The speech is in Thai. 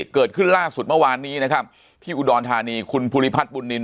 เกิดขึ้นล่าสุดเมื่อวานนี้นะครับที่อุดรธานีคุณภูริพัฒนบุญนิน